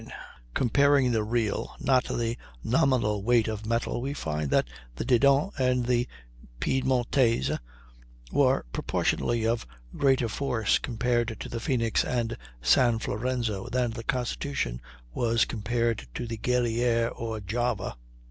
] Comparing the real, not the nominal weight of metal, we find that the Didon and Piedmontaise were proportionately of greater force compared to the Phoenix and San Florenzo, than the Constitution was compared to the Guerrière or Java.